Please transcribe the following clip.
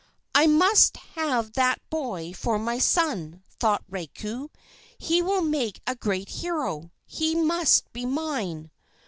"I must have that boy for my son," thought Raiko. "He will make a great hero! He must be mine!"